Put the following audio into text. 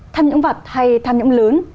tham nhũng vật hay tham nhũng lớn